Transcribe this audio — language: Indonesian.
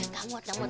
gak muat gak muat